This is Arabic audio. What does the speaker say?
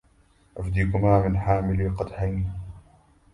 أفديكما من حاملي قدحين